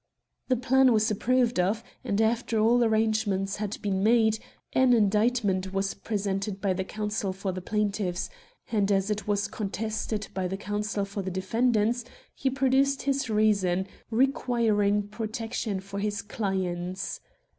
"The plan was approved of; and after all arrangements had been made, an indictment was presented by the counsel for the plaintiffs, and as it was contested by the counsel for the defendants he pro duced his reasons, requiring protection for his clients.